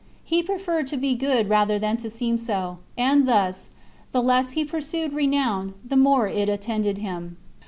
He preferred to be good rather than to seem so; and thus, the less he pursued renown, the more It attended him.